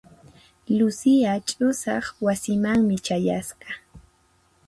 Lucia ch'usaq wasimanmi chayasqa.